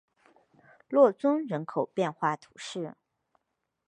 洛宗人口变化图示